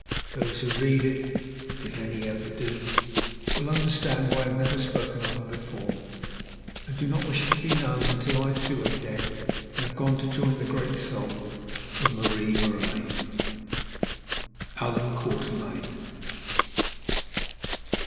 Those who read it, if any ever do, will understand why I have never spoken of her before, and do not wish it to be known until I, too, am dead and have gone to join the great soul of Marie Marais. ALLAN QUATERMAIN.